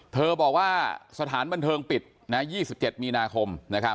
บอกว่าสถานบันเทิงปิด๒๗มีนาคม